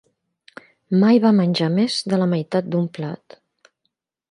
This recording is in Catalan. Mai va menjar més de la meitat d'un plat